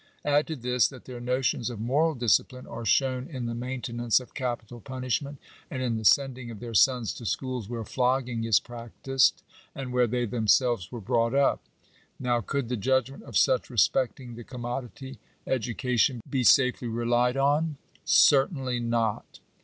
Add to this, that their notions of moral discipline are shown in the maintenance of capital punishment, and in the sending of their sons to schools where flogging is practised, and where they themselves were brought up. Now oould the judgment of such respecting the commodity — educa tion be safely relied on ? Certainly not.